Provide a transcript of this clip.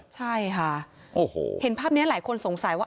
ใช่ค่ะโอ้โหเห็นภาพนี้หลายคนสงสัยว่า